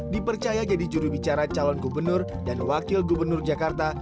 dipercaya jadi jurubicara calon gubernur dan wakil gubernur jakarta